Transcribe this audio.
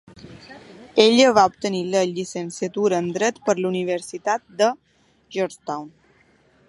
Ella va obtenir la llicenciatura en dret per la Universitat de Georgetown.